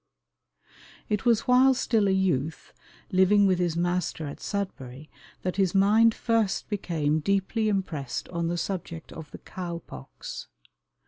It was while still a youth, living with his master at Sudbury, that his mind first became deeply impressed on the subject of the cow pox.